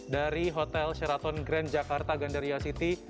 dari hotel sheraton grand jakarta gandaria city